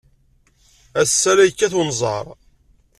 Ass-a, la yekkat unẓar.